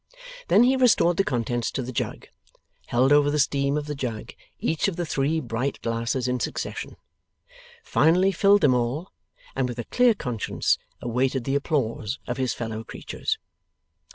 Then he restored the contents to the jug; held over the steam of the jug, each of the three bright glasses in succession; finally filled them all, and with a clear conscience awaited the applause of his fellow creatures.